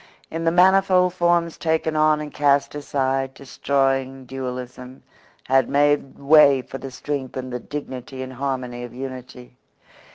In the manifold forms taken on and cast aside destroying dualism had made way for the strength and the dignity and harmony of unity.